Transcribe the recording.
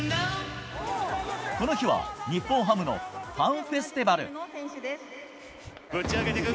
この日は、日本ハムのファンフェスティバル。